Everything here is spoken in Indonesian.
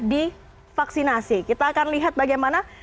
divaksinasi kita akan lihat bagaimana